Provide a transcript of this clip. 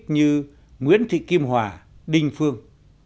như nguyễn thị kim hòa đinh phương